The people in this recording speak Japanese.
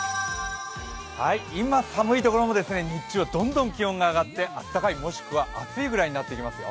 今、寒いところも日中はどんどん気温が上ってあったかい、もしくは暑いぐらいになってきますよ。